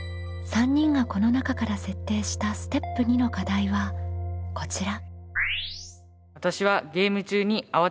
３人がこの中から設定したステップ２の課題はこちら。